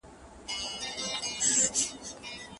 څوک پر ميرمني خاص حقوق لري؟